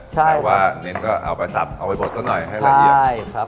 ใช่ว่าเน้นก็เอาไปตับเอาไปบดก็หน่อยให้ละเอียด